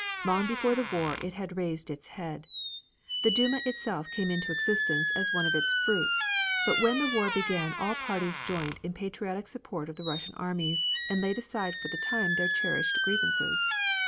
Long before the war it had raised its head. The Duma itself came into existence as one of its fruits; but when the war began all parties joined in patriotic support of the Russian armies and laid aside for the time their cherished grievances.